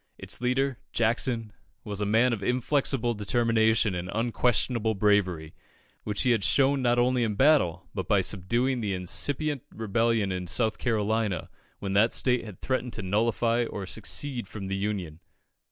Its leader, Jackson, was a man of inflexible determination and unquestionable bravery, which he had shown not only in battle, but by subduing the incipient rebellion in South Carolina, when that state had threatened to nullify or secede from the Union.